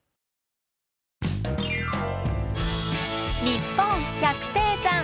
「にっぽん百低山」。